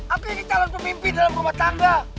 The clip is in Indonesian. aku ini talan pemimpin dalam rumah tangga